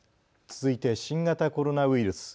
続いて新型コロナウイルス。